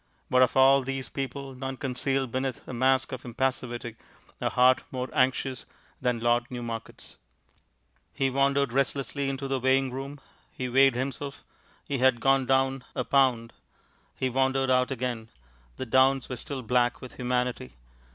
But of all these people none concealed beneath a mask of impassivity a heart more anxious than Lord Newmarket's. He wandered restlessly into the weighing room. He weighed himself. He had gone down a pound. He wandered out again. The downs were still black with humanity.